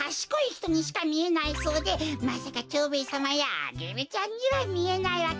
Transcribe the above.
ひとにしかみえないそうでまさか蝶兵衛さまやアゲルちゃんにはみえないわけないってか。